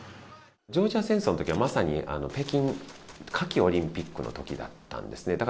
ジョージア戦争のときは、まさに北京夏季オリンピックのときだったんですね。